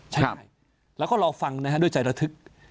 ใช่ไหมแล้วก็รอฟังนะครับด้วยใจระทึก